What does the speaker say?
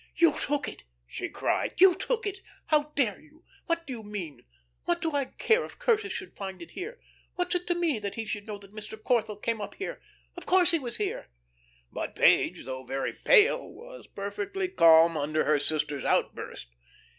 "You took it!" she cried. "You took it! How dare you! What do you mean? What do I care if Curtis should find it here? What's it to me that he should know that Mr. Corthell came up here? Of course he was here." But Page, though very pale, was perfectly calm under her sister's outburst.